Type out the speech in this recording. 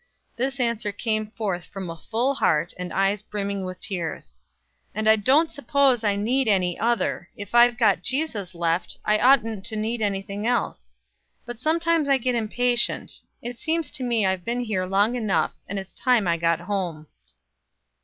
This answer came forth from a full heart, and eyes brimming with tears. "And I don't s'pose I need any other, if I've got Jesus left I oughtn't to need any thing else; but sometimes I get impatient it seems to me I've been here long enough, and it's time I got home."